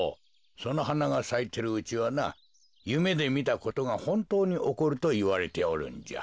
そのはながさいてるうちはなゆめでみたことがほんとうにおこるといわれておるんじゃ。